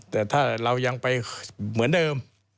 แต่ถ้าเรายังไปเหมือนเดิม